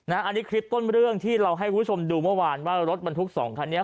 อันนี้คลิปต้นเรื่องที่เราให้คุณผู้ชมดูเมื่อวานว่ารถบรรทุกสองคันนี้